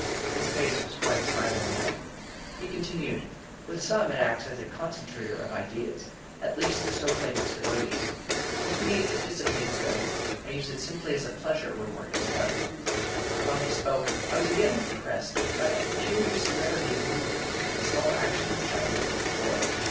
His face was quite smiling now. He continued: "With some it acts as a concentrator of ideas at least, so claim its devotees. With me, it dissipates them; I use it simply as a pleasure when work is done." While he spoke, I was again impressed with that peculiar celerity of movement in small actions which I had noticed before.